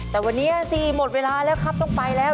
แต่วันนี้สิหมดเวลาแล้วครับต้องไปแล้ว